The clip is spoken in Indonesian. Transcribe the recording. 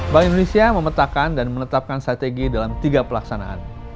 bank indonesia memetakan dan menetapkan strategi dalam tiga pelaksanaan